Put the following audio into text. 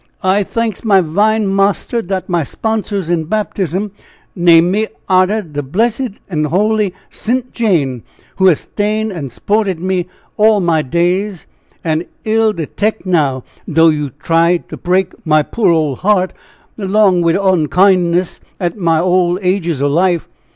I thanks my 'Vine Marster dat my sponsors in baptism named me arter de bressed an' holy S'int Jane who has 'stained an' s'ported me all my days; an' 'ill detect now, dough you do try to break my poor ole heart long wid onkindness at my ole ages o' life!